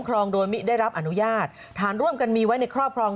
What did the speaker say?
ครองโดยไม่ได้รับอนุญาตฐานร่วมกันมีไว้ในครอบครอง